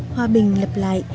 hòa bình lập lại